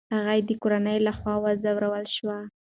هغې د کورنۍ له خوا وځورول شوه.